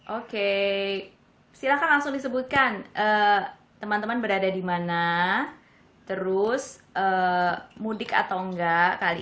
oke silahkan langsung disebutkan teman teman berada di mana terus mudik atau enggak kali